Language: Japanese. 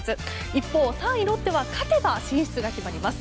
一方、３位ロッテは勝てば進出が決まります。